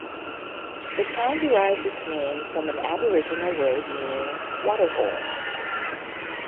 The town derives its name from an Aboriginal word meaning "water hole".